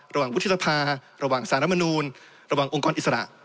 วุฒิสภาระหว่างสารมนูลระหว่างองค์กรอิสระ